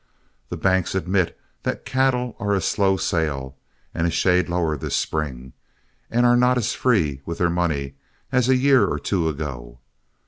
The banks admit that cattle are a slow sale and a shade lower this spring, and are not as free with their money as a year or two ago.